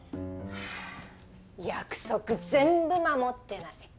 約束全部守ってない。